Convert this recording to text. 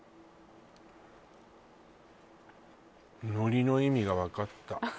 海苔の意味が分かった